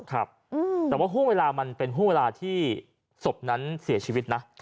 ครับแต่ว่าห่วงเวลามันเป็นห่วงเวลาที่ศพนั้นเสียชีวิตนะ